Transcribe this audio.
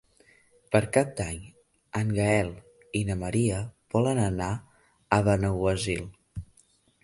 Per Cap d'Any en Gaël i na Maria volen anar a Benaguasil.